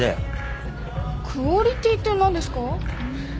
クオリティーって何ですか？